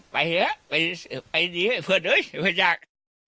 ไปนี่ไปนี่เหมือนยาก